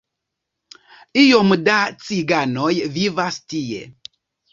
Iom da ciganoj vivas tie.